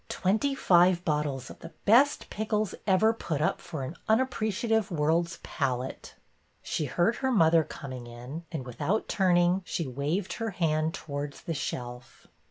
Twenty five bottles of the best pickles ever put up for an unappreciative world's palate." She heard her mother coming in, and, without turning, she waved her hand towards the shelf.